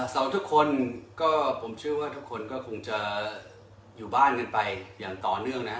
เราทุกคนก็ผมเชื่อว่าทุกคนก็คงจะอยู่บ้านกันไปอย่างต่อเนื่องนะ